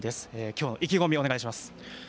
今日の意気込みをお願いします。